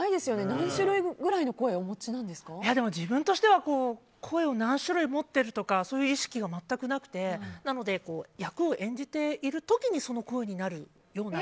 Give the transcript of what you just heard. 何種類くらいの声を自分としては声を何種類持ってるとかそういう意識は全くないので役を演じている時にその声になるような。